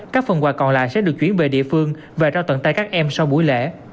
các phần quà còn lại sẽ được chuyển về địa phương và trao tận tay các em sau buổi lễ